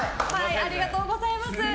ありがとうございます！